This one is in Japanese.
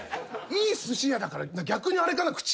いいすし屋だから逆にあれかな？